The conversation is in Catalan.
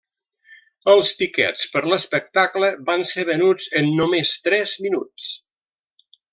Els tiquets per l'espectacle van ser venuts en només tres minuts.